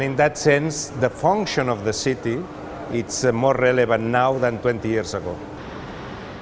dan dalam hal itu fungsi kota lebih relevan sekarang daripada dua puluh tahun lalu